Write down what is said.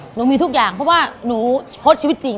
หนูมีทุกอย่างเพราะว่าหนูชดชีวิตจริง